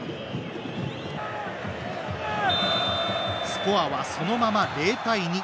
スコアはそのまま、０対２。